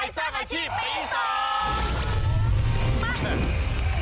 สร้างอาชีพปีสอง